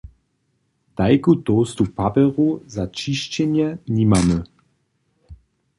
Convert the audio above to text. Tajku tołstu papjeru za ćišćenje nimamy.